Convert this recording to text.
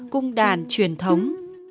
cung đàn truyền thống